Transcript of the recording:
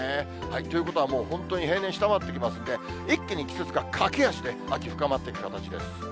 ということはもう本当に平年下回ってきますんで、一気に季節が駆け足で秋深まっていく形です。